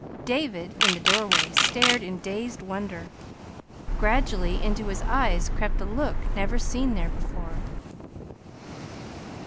David, in the doorway, stared in dazed wonder. Gradually into his eyes crept a look never seen there before.